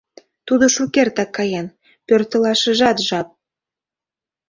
Тудо шукертак каен, пӧртылашыжат жап.